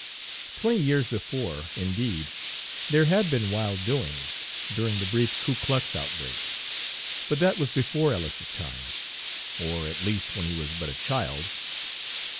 Twenty years before, indeed, there had been wild doings, during the brief Ku Klux outbreak, but that was before Ellis's time, or at least when he was but a child.